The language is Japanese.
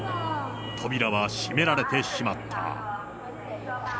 扉は閉められてしまった。